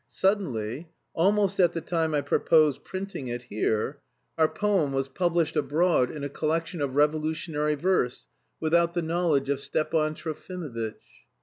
Suddenly, almost at the time I proposed printing it here, our poem was published abroad in a collection of revolutionary verse, without the knowledge of Stepan Trofimovitch.